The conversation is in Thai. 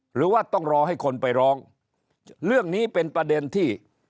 หรือว่าต้องรอให้คนไปร้องเรื่องนี้เป็นประเด็นที่